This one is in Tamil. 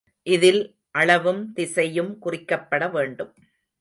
இதில் அளவும் திசையும் குறிக்கப்பட வேண்டும்.